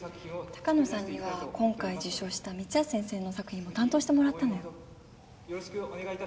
高野さんには今回受賞したミツヤス先生の作品も担当してもらったのよ。